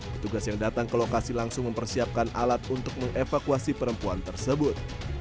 petugas yang datang ke lokasi langsung mempersiapkan alat untuk mengevakuasi perempuan tersebut